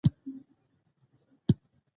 يو وخت به مې پام سو چې د کتاب څو مخه مې اړولي دي.